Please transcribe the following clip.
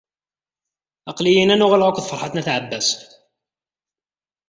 Aql-iyi-n ad n-uɣaleɣ akked Ferḥat n At Ɛebbas.